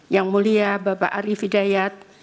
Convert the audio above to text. yang mulia bapak ari fidayat